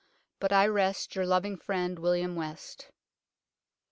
But i rest your loveing frend WILLIAM WEST."